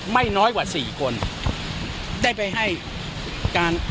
ไม่น้อยกว่า๔คน